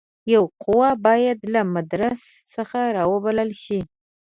یوه قوه باید له مدراس څخه را وبلل شي.